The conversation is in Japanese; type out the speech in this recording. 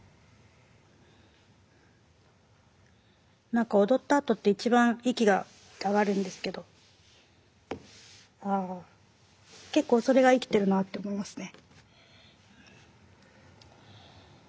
何か踊ったあとって一番息が上がるんですけど結構それが生きてるなって思いますね。